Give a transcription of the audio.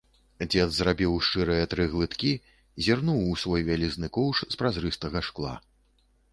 Дзед зрабіў шчырыя тры глыткі, зірнуў у свой вялізны коўш з празрыстага шкла.